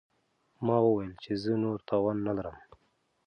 ما وویل چې زه نور توان نه لرم.